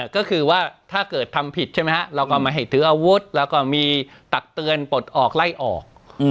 ก็คือว่าถ้าเกิดทำผิดใช่ไหมฮะเราก็ไม่ให้ถืออาวุธแล้วก็มีตักเตือนปลดออกไล่ออก